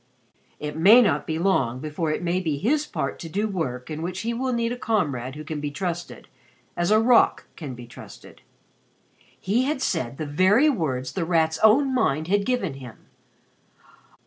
"It may not be long before it may be his part to do work in which he will need a comrade who can be trusted as a rock can be trusted." He had said the very words The Rat's own mind had given to him.